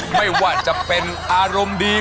ไม่ว่าจะเป็นอารมณ์ดี